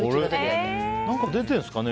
何か出てるんですかね